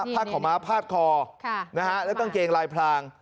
ผ้าขาวม้าพาดคอและกางเกงลายพลาง